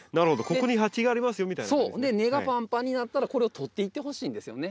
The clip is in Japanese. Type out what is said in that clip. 根がパンパンになったらこれを取っていってほしいんですよね。